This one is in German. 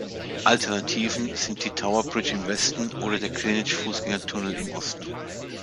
Alternativen sind die Tower Bridge im Westen oder der Greenwich-Fußgängertunnel im Osten.